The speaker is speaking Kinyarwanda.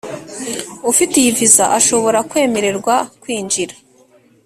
Ufite iyi viza ashobora kwemererwa kwinjira